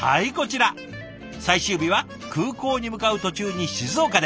最終日は空港に向かう途中に静岡で。